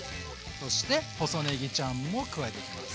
そして細ねぎちゃんも加えていきます。